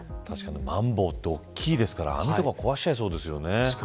マンボウって大きいですから網とか壊しちゃいそうですよね。